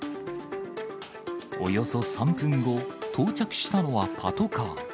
およそ３分後、到着したのはパトカー。